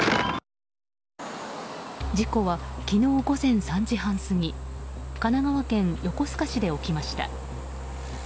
事故は昨日午前３時半過ぎ神奈川県横須賀市で起きました。